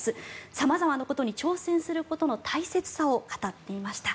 様々なことに挑戦することの大切さを語っていました。